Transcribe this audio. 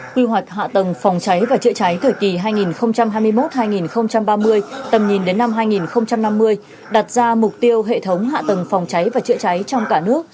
quy hoạch hạ tầng phòng cháy và chữa cháy thời kỳ hai nghìn hai mươi một hai nghìn ba mươi tầm nhìn đến năm hai nghìn năm mươi đặt ra mục tiêu hệ thống hạ tầng phòng cháy và chữa cháy trong cả nước